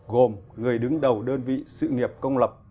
gồm người đứng đầu đơn vị sự nghiệp công lập